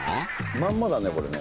まんまだねこれね。